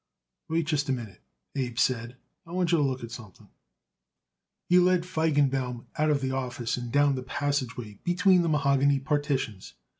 "Wait just a minute," Abe said. "I want you to look at something." He led Feigenbaum out of the office and down the passageway between the mahogany partitions.